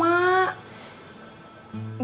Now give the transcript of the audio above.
bapak mau kontak bos saeb